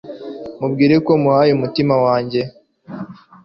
mubwira ko muhaye umutima wanjye